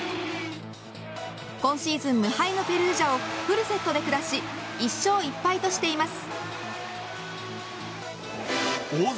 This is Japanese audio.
今シーズン無敗のペルージャをフルセットでくだし１勝１敗としています。